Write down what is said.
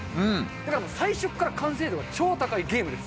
だから最初っから完成度が超高いゲームです。